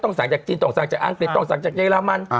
สั่งจากจีนต้องสั่งจากอังกฤษต้องสั่งจากเยอรมัน